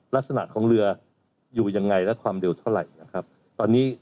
ลักษณะของเรืออยู่อย่างไรและความเร็วเท่าไหร่